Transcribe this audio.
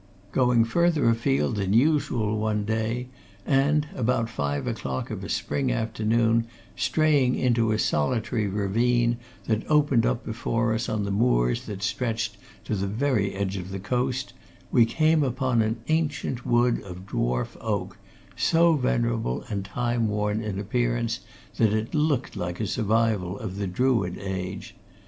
Going further afield than usual one day, and, about five o'clock of a spring afternoon, straying into a solitary ravine that opened up before us on the moors that stretched to the very edge of the coast, we came upon an ancient wood of dwarf oak, so venerable and time worn in appearance that it looked like a survival of the Druid age.